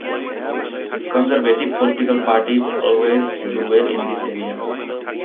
Conservative political parties always do well in this area.